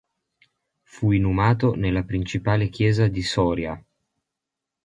Fu inumato nella principale chiesa di Soria.